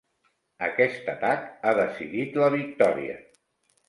Aquest atac ha decidit la victòria.